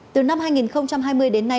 từ năm hai nghìn hai mươi đến nay